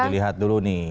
dilihat dulu nih